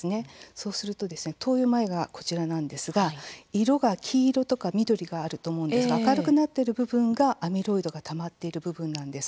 そうすると投与前がこちらなんですが色が黄色とか緑があると思うんですが明るくなっている部分がアミロイドがたまっている部分なんです。